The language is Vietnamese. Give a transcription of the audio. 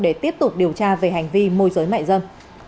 để tiếp tục điều tra về hành vi môi giới mại dâm